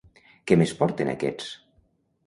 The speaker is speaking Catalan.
Què més porten aquests?